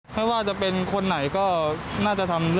ไม่ว่าจะเป็นคนไหนก็น่าจะทำ